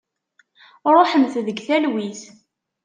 Ruḥemt deg talwit.